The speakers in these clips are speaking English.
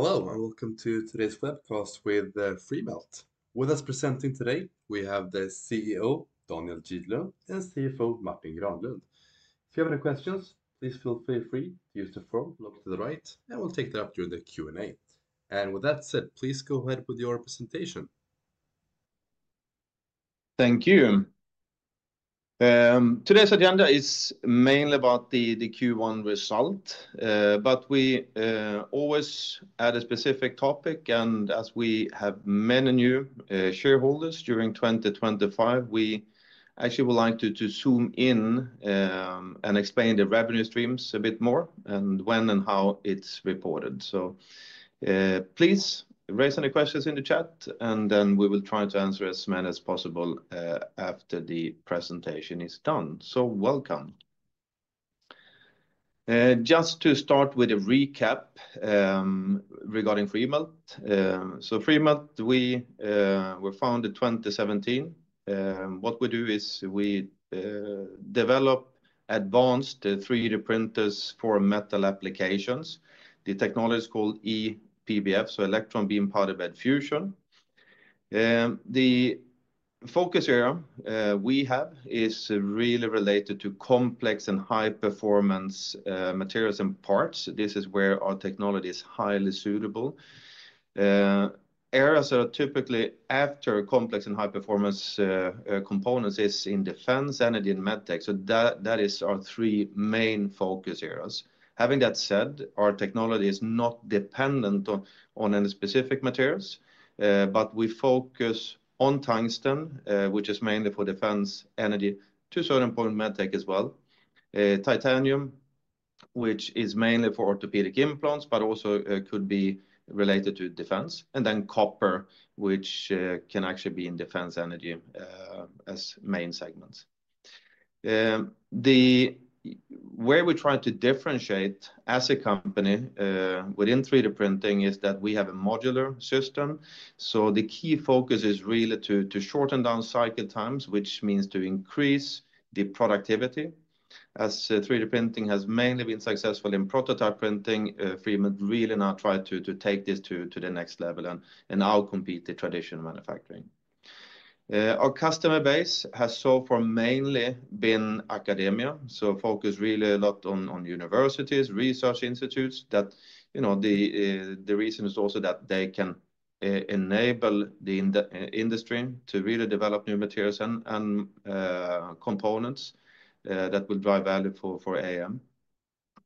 Hello, and welcome to today's webcast with Freemelt. With us presenting today, we have the CEO, Daniel Gidlund, and CFO, Martin Granlund. If you have any questions, please feel free to use the form located to the right, and we'll take that up during the Q&A. With that said, please go ahead with your presentation. Thank you. Today's agenda is mainly about the Q1 result, but we always add a specific topic. As we have many new shareholders during 2025, we actually would like to zoom in and explain the revenue streams a bit more and when and how it's reported. Please raise any questions in the chat, and we will try to answer as many as possible after the presentation is done. Welcome. Just to start with a recap regarding Freemelt. Freemelt, we were founded in 2017. What we do is we develop advanced 3D printers for metal applications. The technology is called E-PBF, so electron-beam powder bed fusion. The focus area we have is really related to complex and high-performance materials and parts. This is where our technology is highly suitable. Areas that are typically after complex and high-performance components are in defense and in medtech. That is our three main focus areas. Having that said, our technology is not dependent on any specific materials, but we focus on tungsten, which is mainly for defense, energy, to a certain point medtech as well. Titanium, which is mainly for orthopedic implants, but also could be related to defense. And then copper, which can actually be in defense, energy as main segments. Where we're trying to differentiate as a company within 3D printing is that we have a modular system. The key focus is really to shorten down cycle times, which means to increase the productivity. As 3D printing has mainly been successful in prototype printing, Freemelt really now tried to take this to the next level and outcompete the traditional manufacturing. Our customer base has so far mainly been academia, so focus really a lot on universities, research institutes. The reason is also that they can enable the industry to really develop new materials and components that will drive value for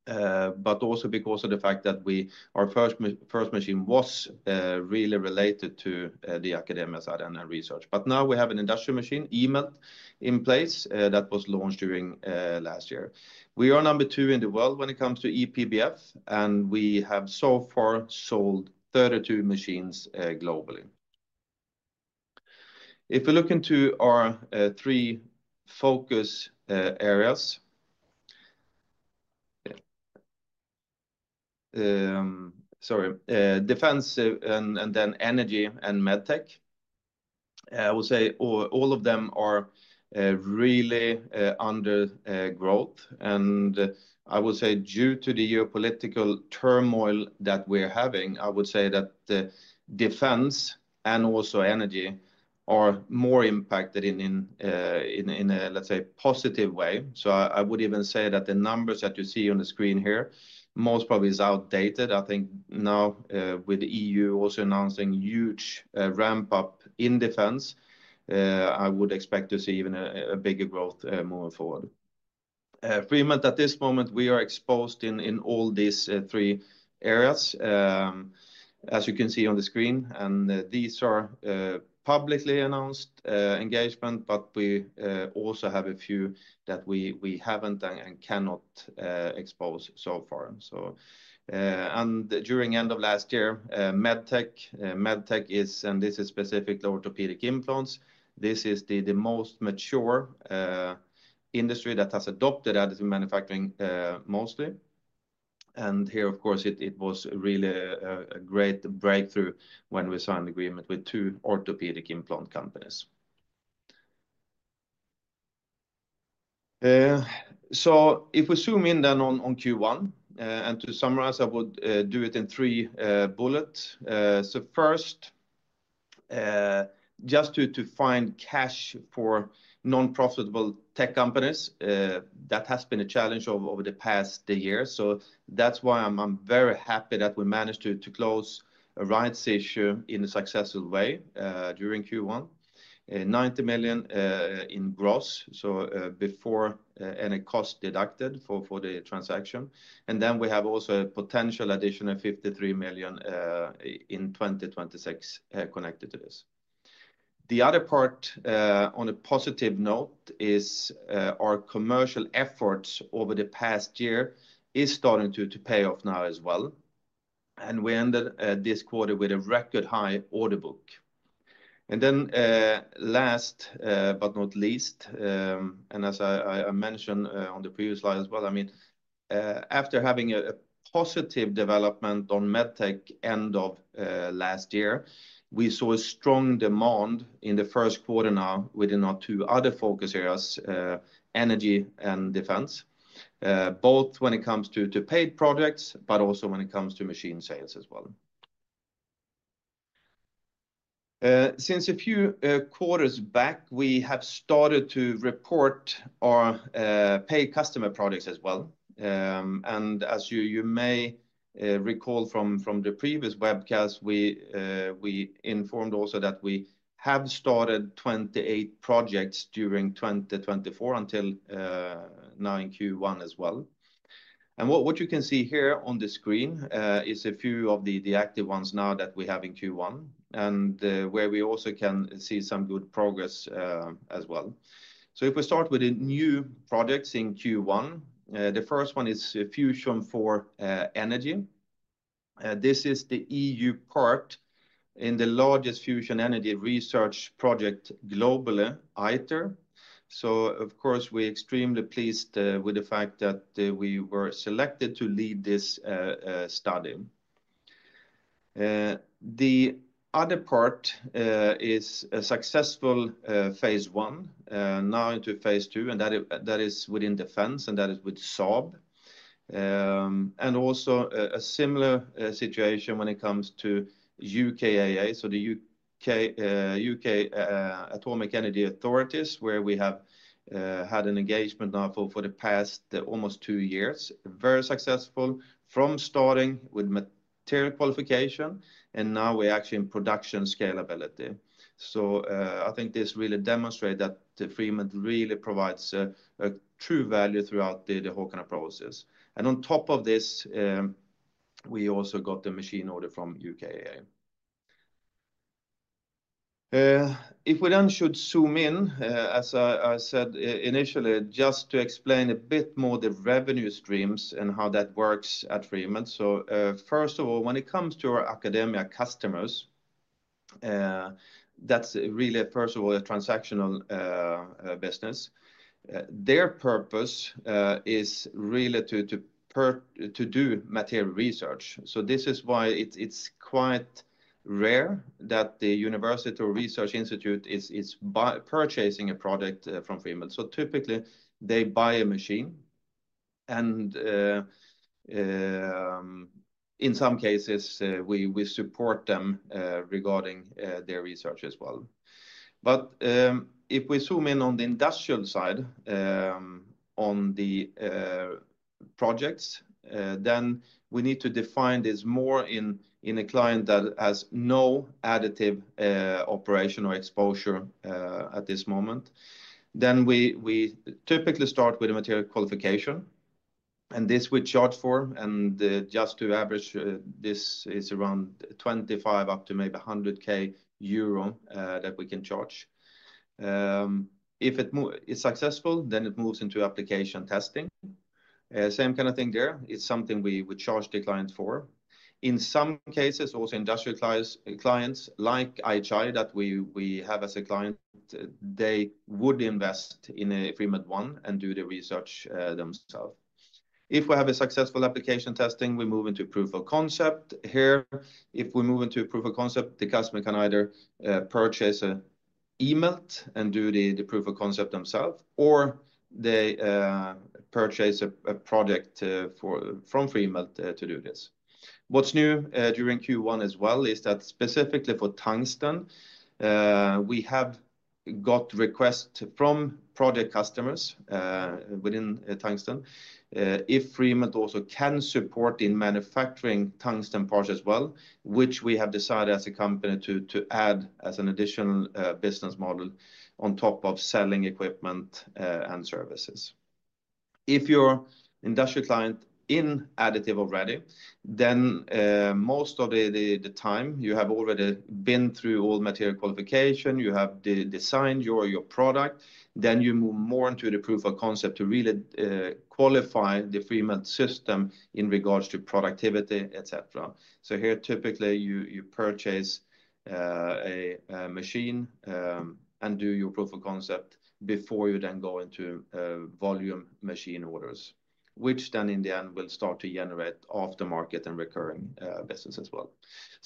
AM. Also because of the fact that our first machine was really related to the academia side and research. Now we have an industrial machine, eMELT, in place that was launched during last year. We are number two in the world when it comes to E-PBF, and we have so far sold 32 machines globally. If we look into our three focus areas, sorry, defense and then energy and medtech, I would say all of them are really under growth. I would say due to the geopolitical turmoil that we're having, I would say that defense and also energy are more impacted in a, let's say, positive way. I would even say that the numbers that you see on the screen here most probably are outdated. I think now with the EU also announcing huge ramp-up in defense, I would expect to see even bigger growth moving forward. Freemelt, at this moment, we are exposed in all these three areas, as you can see on the screen. These are publicly announced engagements, but we also have a few that we have not and cannot expose so far. During the end of last year, medtech, medtech is, and this is specifically orthopedic implants. This is the most mature industry that has adopted additive manufacturing mostly. Here, of course, it was really a great breakthrough when we signed the agreement with two orthopedic implant companies. If we zoom in then on Q1, and to summarize, I would do it in three bullets. First, just to find cash for non-profitable tech companies, that has been a challenge over the past year. That is why I am very happy that we managed to close a rights issue in a successful way during Q1, 90 million in gross, so before any cost deducted for the transaction. We also have a potential additional 53 million in 2026 connected to this. The other part on a positive note is our commercial efforts over the past year are starting to pay off now as well. We ended this quarter with a record high order book. Last but not least, as I mentioned on the previous slide as well, I mean, after having a positive development on medtech end of last year, we saw a strong demand in the first quarter now within our two other focus areas, energy and defense, both when it comes to paid projects, but also when it comes to machine sales as well. Since a few quarters back, we have started to report our paid customer projects as well. As you may recall from the previous webcast, we informed also that we have started 28 projects during 2024 until now in Q1 as well. What you can see here on the screen is a few of the active ones now that we have in Q1, and where we also can see some good progress as well. If we start with the new projects in Q1, the first one is Fusion for Energy. This is the EU part in the largest fusion energy research project globally, ITER. Of course, we're extremely pleased with the fact that we were selected to lead this study. The other part is a successful phase one, now into phase two, and that is within defense and that is with Saab Bofors Dynamics. Also a similar situation when it comes to UKAEA, so the U.K. Atomic Energy Authority, where we have had an engagement now for the past almost two years, very successful from starting with material qualification, and now we're actually in production scalability. I think this really demonstrates that Freemelt really provides a true value throughout the whole kind of process. On top of this, we also got the machine order from UKAEA. If we then should zoom in, as I said initially, just to explain a bit more the revenue streams and how that works at Freemelt. First of all, when it comes to our academia customers, that's really, first of all, a transactional business. Their purpose is really to do material research. This is why it's quite rare that the university or research institute is purchasing a product from Freemelt. Typically, they buy a machine, and in some cases, we support them regarding their research as well. If we zoom in on the industrial side on the projects, we need to define this more in a client that has no additive operation or exposure at this moment. We typically start with a material qualification, and this we charge for. Just to average, this is around 25,000 up to maybe 100,000 euro that we can charge. If it's successful, then it moves into application testing. Same kind of thing there. It's something we charge the client for. In some cases, also industrial clients like IHI that we have as a client, they would invest in a Freemelt One and do the research themselves. If we have a successful application testing, we move into proof of concept. Here, if we move into proof of concept, the customer can either purchase an eMELT and do the proof of concept themselves, or they purchase a project from Freemelt to do this. What's new during Q1 as well is that specifically for tungsten, we have got requests from project customers within tungsten. If Freemelt also can support in manufacturing tungsten parts as well, which we have decided as a company to add as an additional business model on top of selling equipment and services. If your industrial client is in additive already, then most of the time you have already been through all material qualification, you have designed your product, then you move more into the proof of concept to really qualify the Freemelt system in regards to productivity, etc. Here, typically, you purchase a machine and do your proof of concept before you then go into volume machine orders, which in the end will start to generate aftermarket and recurring business as well.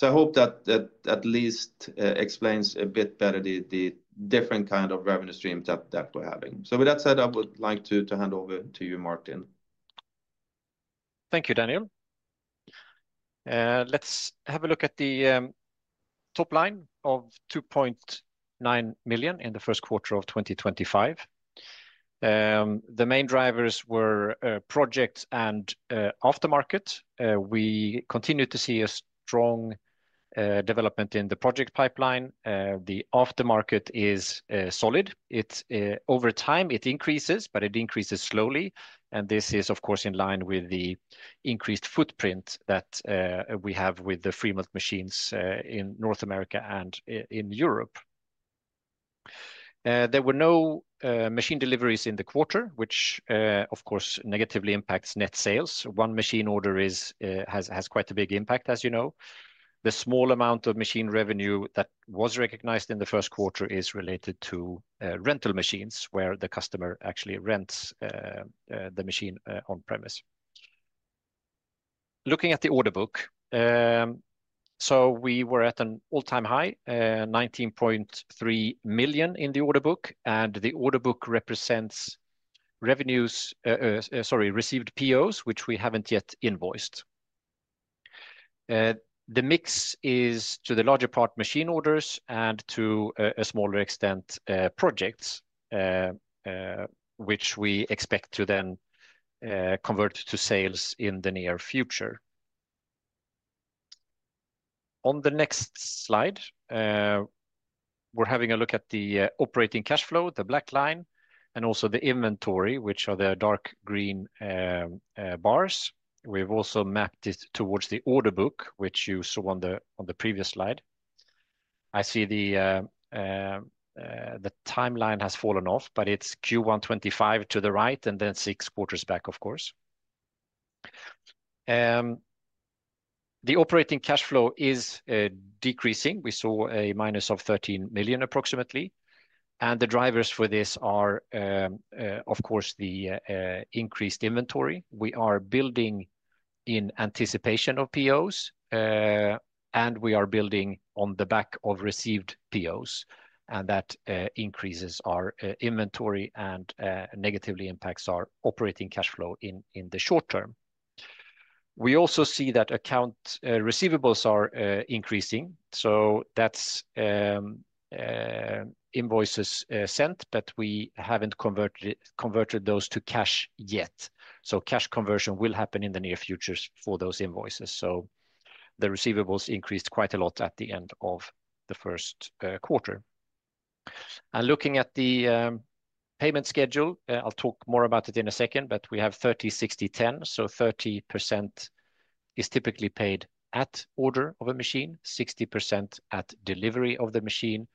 I hope that at least explains a bit better the different kind of revenue streams that we're having. With that said, I would like to hand over to you, Martin. Thank you, Daniel. Let's have a look at the top line of 2.9 million in the first quarter of 2025. The main drivers were projects and aftermarket. We continue to see a strong development in the project pipeline. The aftermarket is solid. Over time, it increases, but it increases slowly. This is, of course, in line with the increased footprint that we have with the Freemelt machines in North America and in Europe. There were no machine deliveries in the quarter, which, of course, negatively impacts net sales. One machine order has quite a big impact, as you know. The small amount of machine revenue that was recognized in the first quarter is related to rental machines, where the customer actually rents the machine on-premise. Looking at the order book, we were at an all-time high, 19.3 million in the order book, and the order book represents revenues, sorry, received POs, which we have not yet invoiced. The mix is to the larger part machine orders and to a smaller extent projects, which we expect to then convert to sales in the near future. On the next slide, we are having a look at the operating cash flow, the black line, and also the inventory, which are the dark green bars. We have also mapped this towards the order book, which you saw on the previous slide. I see the timeline has fallen off, but it is Q1 2025 to the right and then six quarters back, of course. The operating cash flow is decreasing. We saw a minus of 13 million approximately. The drivers for this are, of course, the increased inventory. We are building in anticipation of POs, and we are building on the back of received POs, and that increases our inventory and negatively impacts our operating cash flow in the short term. We also see that account receivables are increasing. That is invoices sent, but we have not converted those to cash yet. Cash conversion will happen in the near future for those invoices. The receivables increased quite a lot at the end of the first quarter. Looking at the payment schedule, I will talk more about it in a second, but we have 30-60-10. 30% is typically paid at order of a machine, 60% at delivery of the machine,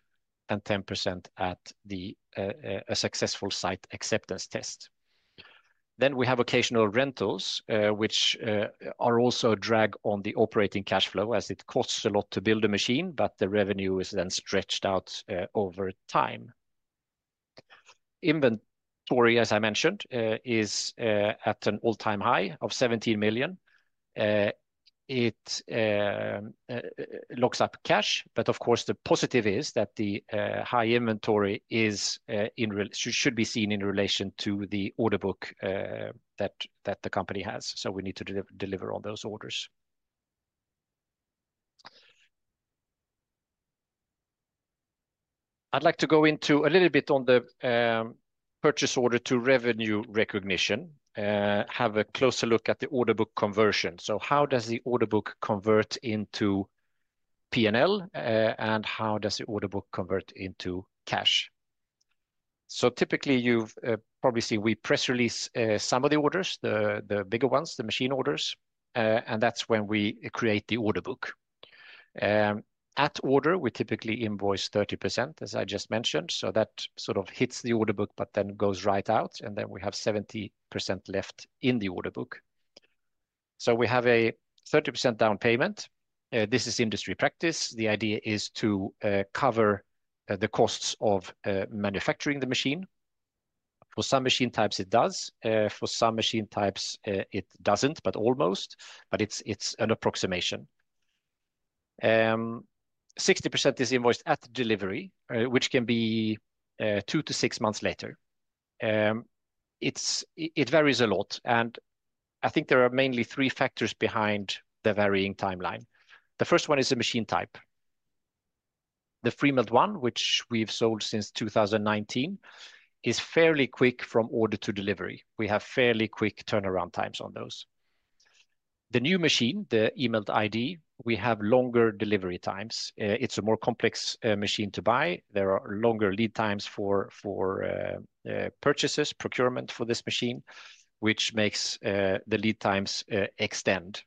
and 10% at a successful site acceptance test. Then we have occasional rentals, which are also a drag on the operating cash flow as it costs a lot to build a machine, but the revenue is then stretched out over time. Inventory, as I mentioned, is at an all-time high of 17 million. It locks up cash, but of course, the positive is that the high inventory should be seen in relation to the order book that the company has. We need to deliver on those orders. I'd like to go into a little bit on the purchase order to revenue recognition, have a closer look at the order book conversion. How does the order book convert into P&L, and how does the order book convert into cash? Typically, you've probably seen we press release some of the orders, the bigger ones, the machine orders, and that's when we create the order book. At order, we typically invoice 30%, as I just mentioned. That sort of hits the order book, but then goes right out, and then we have 70% left in the order book. We have a 30% down payment. This is industry practice. The idea is to cover the costs of manufacturing the machine. For some machine types, it does. For some machine types, it does not, but almost, but it is an approximation. 60% is invoiced at delivery, which can be two to six months later. It varies a lot, and I think there are mainly three factors behind the varying timeline. The first one is the machine type. The Freemelt ONE, which we have sold since 2019, is fairly quick from order to delivery. We have fairly quick turnaround times on those. The new machine, the eMELT-iD, we have longer delivery times. It is a more complex machine to buy. There are longer lead times for purchases, procurement for this machine, which makes the lead times extend.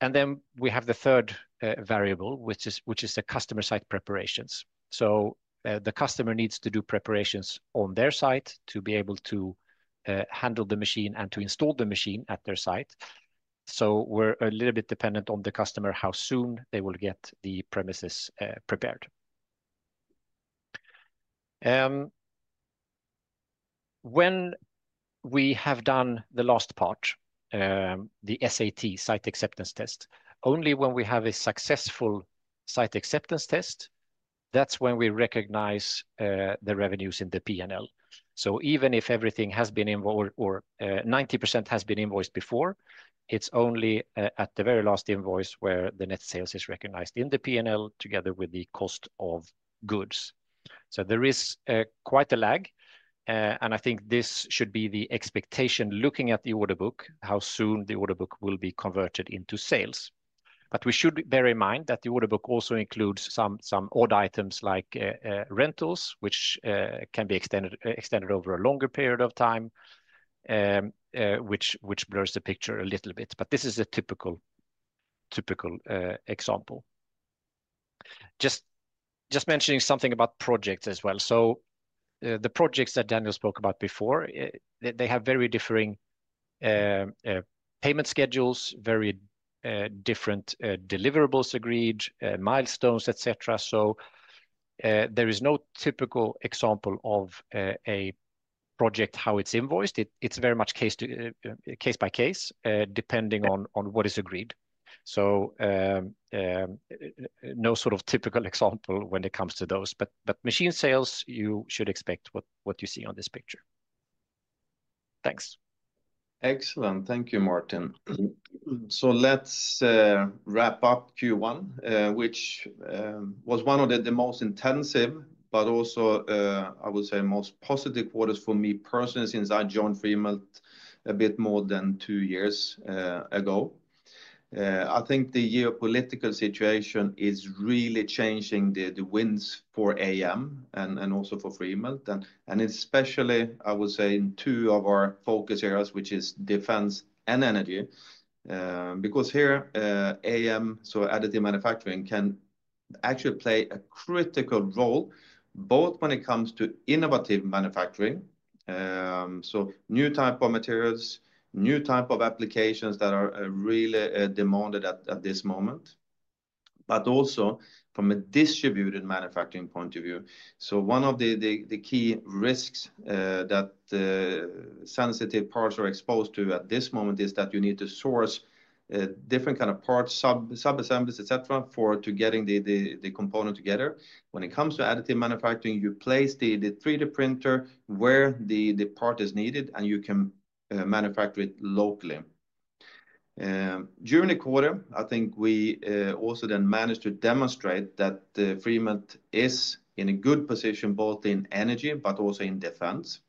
Then we have the third variable, which is the customer site preparations. The customer needs to do preparations on their site to be able to handle the machine and to install the machine at their site. We're a little bit dependent on the customer how soon they will get the premises prepared. When we have done the last part, the SAT, site acceptance test, only when we have a successful site acceptance test, that's when we recognize the revenues in the P&L. Even if everything has been invoiced or 90% has been invoiced before, it's only at the very last invoice where the net sales is recognized in the P&L together with the cost of goods. There is quite a lag, and I think this should be the expectation looking at the order book, how soon the order book will be converted into sales. We should bear in mind that the order book also includes some odd items like rentals, which can be extended over a longer period of time, which blurs the picture a little bit. This is a typical example. Just mentioning something about projects as well. The projects that Daniel spoke about before, they have very differing payment schedules, very different deliverables agreed, milestones, etc. There is no typical example of a project how it's invoiced. It's very much case by case depending on what is agreed. No sort of typical example when it comes to those. Machine sales, you should expect what you see on this picture. Thanks. Excellent. Thank you, Martin. Let's wrap up Q1, which was one of the most intensive, but also I would say most positive quarters for me personally since I joined Freemelt a bit more than two years ago. I think the geopolitical situation is really changing the winds for AM and also for Freemelt. Especially, I would say in two of our focus areas, which is defense and energy. Here, AM, so additive manufacturing, can actually play a critical role both when it comes to innovative manufacturing, so new type of materials, new type of applications that are really demanded at this moment, but also from a distributed manufacturing point of view. One of the key risks that sensitive parts are exposed to at this moment is that you need to source different kinds of parts, subassemblies, etc., for getting the component together. When it comes to additive manufacturing, you place the 3D printer where the part is needed, and you can manufacture it locally. During the quarter, I think we also then managed to demonstrate that Freemelt is in a good position both in energy but also in defense,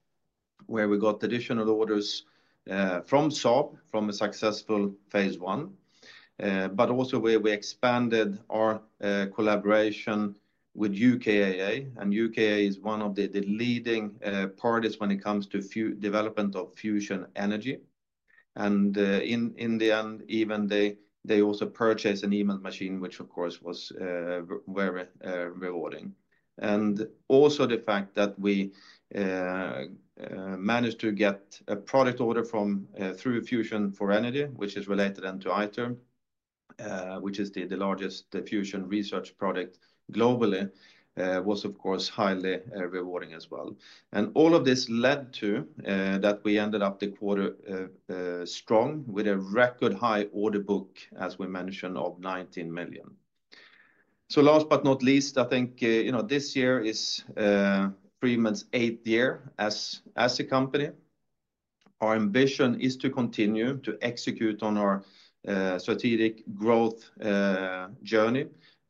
where we got additional orders from Saab from a successful phase one, but also where we expanded our collaboration with UKAEA. UKAEA is one of the leading parties when it comes to development of fusion energy. In the end, even they also purchased an eMELT machine, which, of course, was very rewarding. Also the fact that we managed to get a product order through Fusion for Energy, which is related then to ITER, which is the largest fusion research project globally, was, of course, highly rewarding as well. All of this led to that we ended up the quarter strong with a record high order book, as we mentioned, of 19 million. Last but not least, I think this year is Freemelt's eighth year as a company. Our ambition is to continue to execute on our strategic growth journey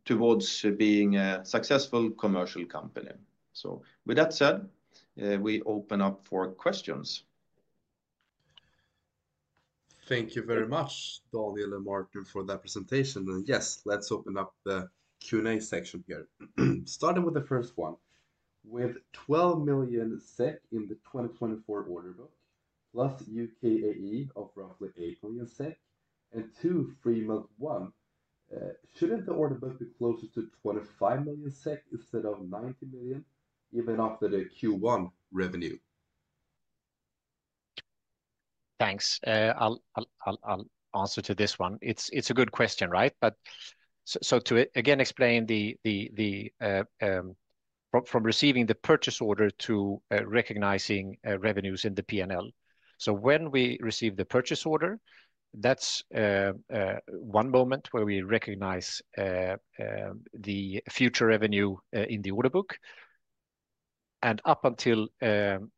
towards being a successful commercial company. With that said, we open up for questions. Thank you very much, Daniel and Martin, for that presentation. Yes, let's open up the Q&A section here. Starting with the first one. With 12 million SEK in the 2024 order book, plus UKAEA of roughly 8 million SEK and two Freemelt One, should not the order book be closer to 25 million SEK instead of 19 million, even after the Q1 revenue? Thanks. I'll answer to this one. It's a good question, right? To again explain from receiving the purchase order to recognizing revenues in the P&L. When we receive the purchase order, that's one moment where we recognize the future revenue in the order book. Up until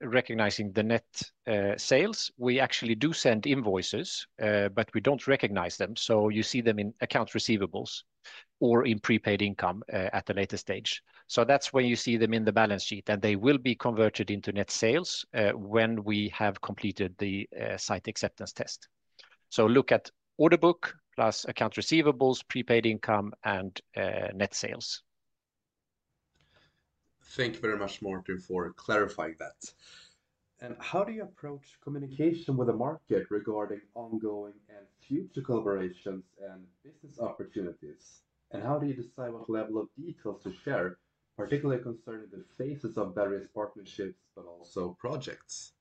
recognizing the net sales, we actually do send invoices, but we don't recognize them. You see them in account receivables or in prepaid income at the later stage. That's when you see them in the balance sheet, and they will be converted into net sales when we have completed the site acceptance test. Look at order book plus account receivables, prepaid income, and net sales. Thank you very much, Martin, for clarifying that. How do you approach communication with the market regarding ongoing and future collaborations and business opportunities? How do you decide what level of details to share, particularly concerning the phases of various partnerships, but also projects?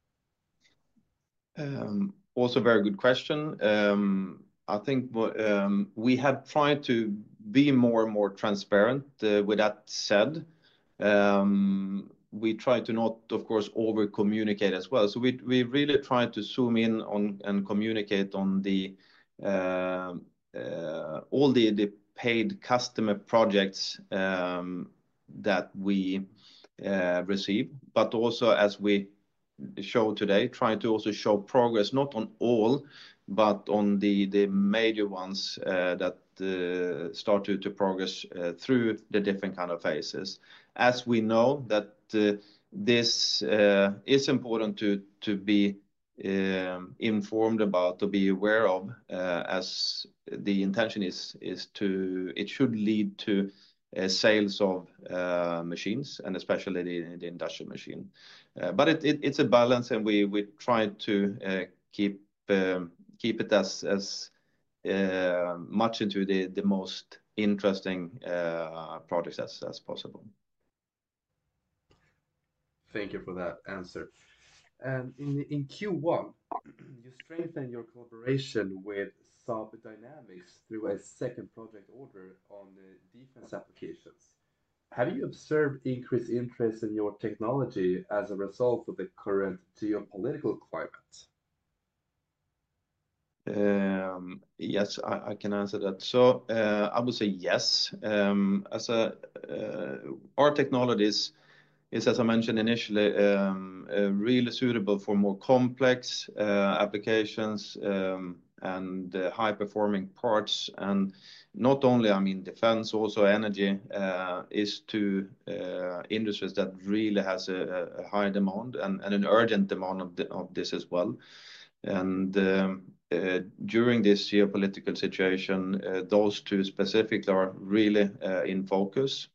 Also a very good question. I think we have tried to be more and more transparent with that said. We try to not, of course, overcommunicate as well. We really try to zoom in and communicate on all the paid customer projects that we receive, but also, as we show today, try to also show progress, not on all, but on the major ones that start to progress through the different kinds of phases. As we know that this is important to be informed about, to be aware of, as the intention is to it should lead to sales of machines, and especially the industrial machine. It is a balance, and we try to keep it as much into the most interesting projects as possible. Thank you for that answer. In Q1, you strengthened your collaboration with Saab Dynamics through a second project order on defense applications. Have you observed increased interest in your technology as a result of the current geopolitical climate? Yes, I can answer that. I would say yes. Our technology is, as I mentioned initially, really suitable for more complex applications and high-performing parts. Not only, I mean, defense, also energy is two industries that really have a high demand and an urgent demand of this as well. During this geopolitical situation, those two specifically are really in focus.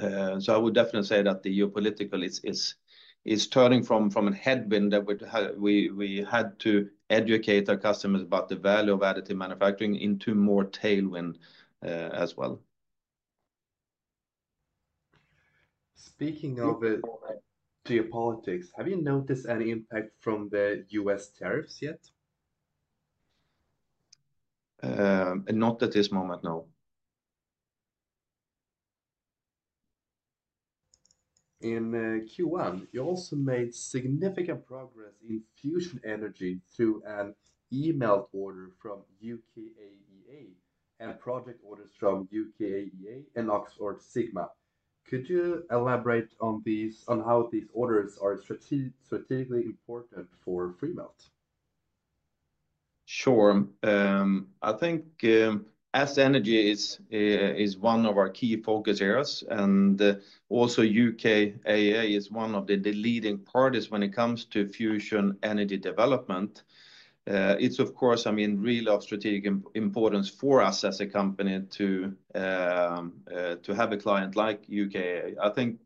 I would definitely say that the geopolitical is turning from a headwind that we had to educate our customers about the value of additive manufacturing into more tailwind as well. Speaking of geopolitics, have you noticed any impact from the U.S. tariffs yet? Not at this moment, no. In Q1, you also made significant progress in fusion energy through an eMELT order from UKAEA and project orders from UKAEA and Oxford Sigma. Could you elaborate on how these orders are strategically important for Freemelt? Sure. I think as energy is one of our key focus areas, and also UKAEA is one of the leading parties when it comes to fusion energy development, it's, of course, I mean, really of strategic importance for us as a company to have a client like UKAEA. I think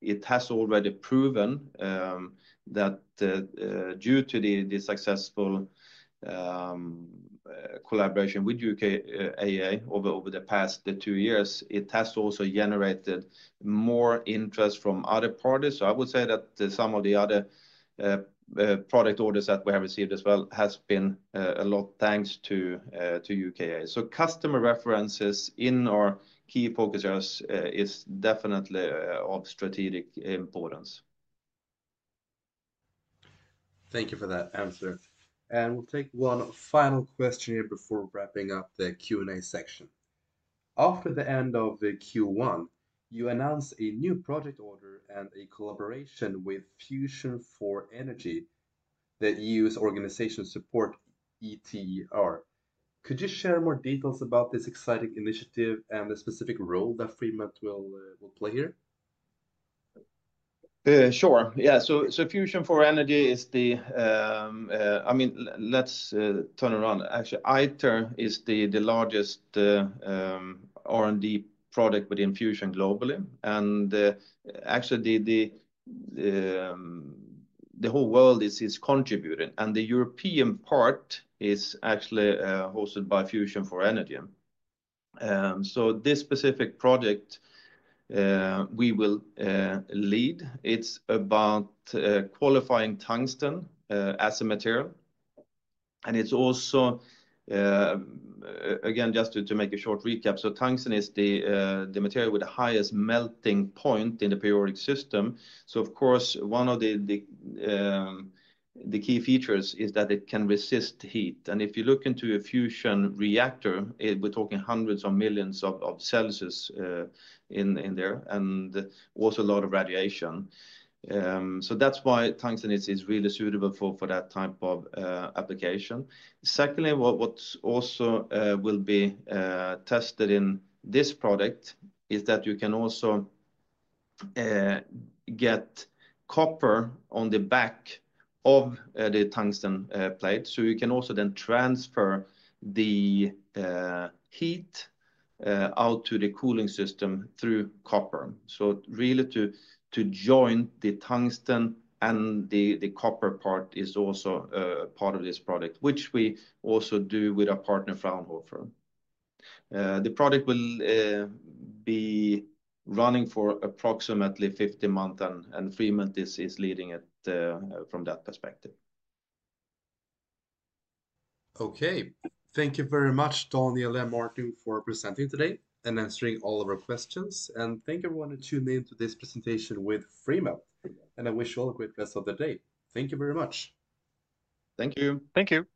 it has already proven that due to the successful collaboration with UKAEA over the past two years, it has also generated more interest from other parties. I would say that some of the other product orders that we have received as well have been a lot thanks to UKAEA. Customer references in our key focus areas are definitely of strategic importance. Thank you for that answer. We'll take one final question here before wrapping up the Q&A section. After the end of Q1, you announced a new project order and a collaboration with Fusion for Energy, the EU organization supporting ITER. Could you share more details about this exciting initiative and the specific role that Freemelt will play here? Sure. Yeah. Fusion for Energy is the, I mean, let's turn around. Actually, ITER is the largest R&D project within fusion globally. Actually, the whole world is contributing. The European part is actually hosted by Fusion for Energy. This specific project we will lead. It's about qualifying tungsten as a material. Again, just to make a short recap, tungsten is the material with the highest melting point in the periodic system. Of course, one of the key features is that it can resist heat. If you look into a fusion reactor, we're talking hundreds of millions of degrees Celsius in there and also a lot of radiation. That's why tungsten is really suitable for that type of application. Secondly, what also will be tested in this product is that you can also get copper on the back of the tungsten plate. You can also then transfer the heat out to the cooling system through copper. Really, to join the tungsten and the copper part is also part of this project, which we also do with our partner Fraunhofer. The project will be running for approximately 15 months, and Freemelt is leading it from that perspective. Okay. Thank you very much, Daniel and Martin, for presenting today and answering all of our questions. Thank everyone who tuned in to this presentation with Freemelt. I wish you all a great rest of the day. Thank you very much. Thank you. Thank you.